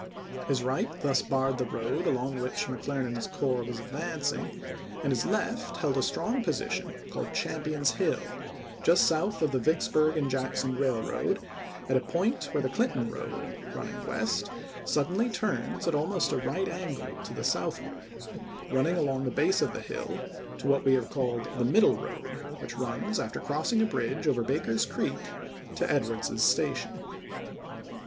His right thus barred the road along which McCler ibid. nand's corps was advancing, and his left held a strong position, called Champion's Hill, just south of the Vicksburg and Jackson Railroad at a point where the Clinton road, running west, suddenly turns almost at a right angle to the southward run ning along the base of the hill to what we have called the middle road which runs, after crossing a bridge over Baker's Creek, to Edwards's Station.